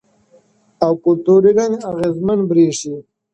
او کلتوري رنګه اغیزمن بریښي